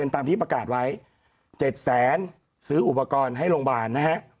ตามที่ประกาศไว้๗แสนซื้ออุปกรณ์ให้โรงพยาบาลนะฮะ